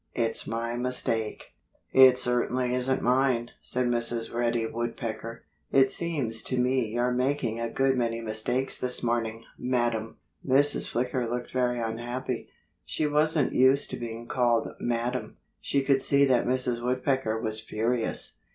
It's my mistake." "It certainly isn't mine," said Mrs. Reddy Woodpecker. "It seems to me you're making a good many mistakes this morning, madam." Mrs. Flicker looked very unhappy. She wasn't used to being called 'madam.' She could see that Mrs. Woodpecker was furious.